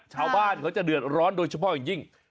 ชาวบ้านเขาจะเดือดร้อนโดยเฉพาะอย่างยิ่ง